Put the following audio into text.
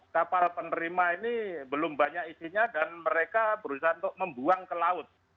kapal penerima ini belum banyak isinya dan mereka berusaha untuk membuang ke laut